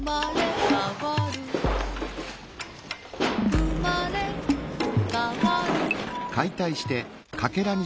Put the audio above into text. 「うまれかわる」